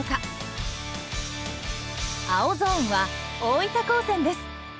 青ゾーンは大分高専です。